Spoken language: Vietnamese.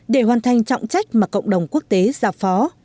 để hoàn thành trọng trách mà cộng đồng quốc tế giả phó